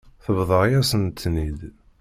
Tebḍa-yasent-ten-id.